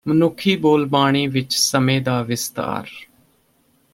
ਮਨੁੱਖੀ ਬੋਲਬਾਣੀ ਵਿਚ ਸਮੇਂ ਦਾ ਵਿਸਥਾਰ